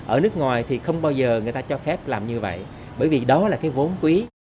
ở nước ngoài thì không bao giờ người ta cho phép làm như vậy bởi vì đó là cái vốn quý